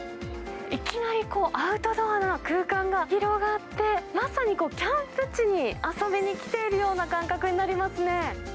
いきなりこう、アウトドアな空間が広がって、まさにキャンプ地に遊びに来ているような感覚になりますね。